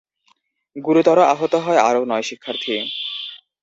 গুরুতর আহত হয় আরও নয় শিক্ষার্থী।